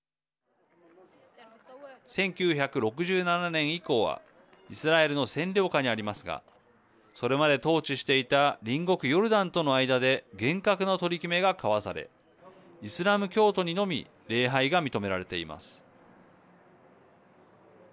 １９６７年以降はイスラエルの占領下にありますがそれまで統治していた隣国ヨルダンとの間で厳格な取り決めが交わされイスラム教徒にのみ礼拝が認められています。